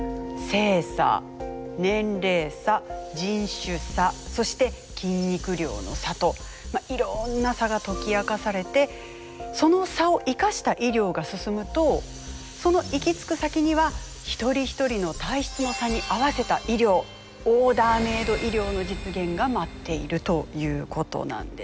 性差年齢差人種差そして筋肉量の差といろんな差が解き明かされてその差を生かした医療が進むとその行き着く先には一人一人の体質の差に合わせた医療オーダーメイド医療の実現が待っているということなんです。